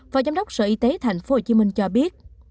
phó giám đốc sở y tế thành phố hồ chí minh cho biết